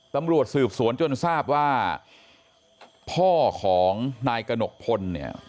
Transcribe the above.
ตำรวจสืบสวนจนทราบว่าพ่อของนายกระหนกพลเนี่ย